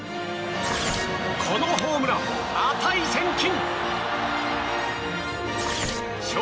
このホームラン、値千金。